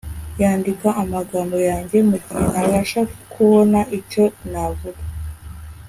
yandika amagambo yanjye, mugihe ntabasha kubona icyo navuga